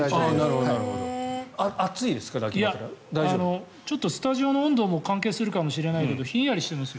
いや、スタジオの温度も関係するかもしれないけどひんやりしてますよ。